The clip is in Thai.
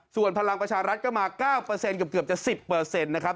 ส่วนพลังประชารัฐก็มา๙เกือบจะ๑๐นะครับ